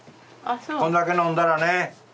こんだけのんだらね